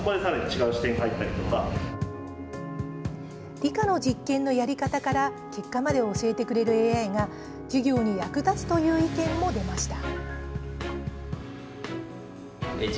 理科の実験のやり方から結果までを教えてくれるＡＩが授業に役立つという意見も出ました。